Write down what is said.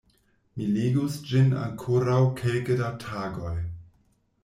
Mi legos ĝin ankoraŭ kelke da tagoj.